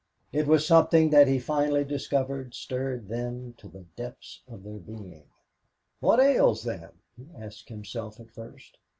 It was something that he finally discovered stirred them to the depths of their being. "What ails them?" he asked himself, at first.